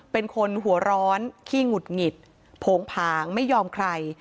เป็นคนหัวร้อนขี้หงุดหงิดโผงผางไม่ยอมใคร